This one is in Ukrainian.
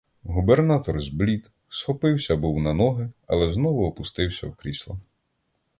Губернатор зблід, схопився був на ноги, але знову опустився в крісло.